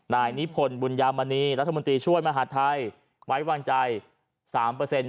นายนิพนธ์บุญยามณีรัฐมนตรีช่วยมหาดไทยไว้วางใจสามเปอร์เซ็นต์